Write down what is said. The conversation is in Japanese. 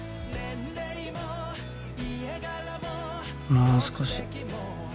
もう少し。